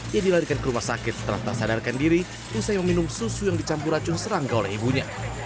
ia dilarikan ke rumah sakit setelah tak sadarkan diri usai meminum susu yang dicampur racun serangga oleh ibunya